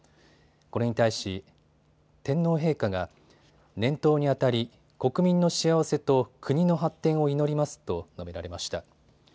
これに対し天皇陛下が年頭にあたり国民の幸せと国の発展を祈りますと述べられました。